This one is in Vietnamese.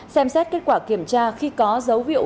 xem xét kết quả kiểm tra khi có dấu hiệu